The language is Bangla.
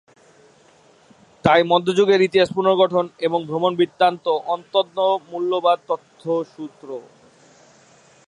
তাই মধ্যযুগের ইতিহাস পুনর্গঠনে এই ভ্রমণ বৃত্তান্ত অত্যন্ত মূল্যবাদ তথ্যসূত্র।